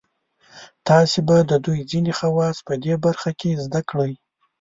تاسې به د دوی ځینې خواص په دې برخه کې زده کړئ.